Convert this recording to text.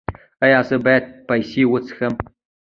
ایا زه باید پیپسي وڅښم؟